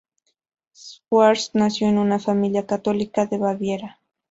Schwarz nació en una familia católica de Baviera.